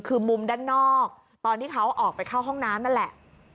คือมุมด้านนอกตอนที่เขาออกไปเข้าห้องน้ำนั่นแหละ